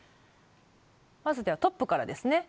まずではトップからですね。